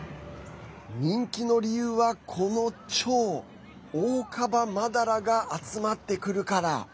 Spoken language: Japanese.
人気の理由は、このチョウオオカバマダラが集まってくるから。